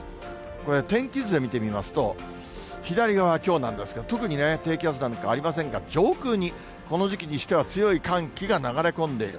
これ、天気図で見てみますと、左側、きょうなんですけど、特に低気圧なんかありませんが、上空にこの時期にしては強い寒気が流れ込んでいる。